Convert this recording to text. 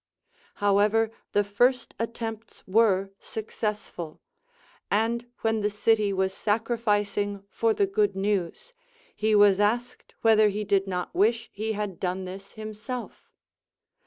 IIoweΛτr, the first attempts were successful ; and when the city Avas sacrific ing for the good news, he was asked whether he did not wish he had done this himself.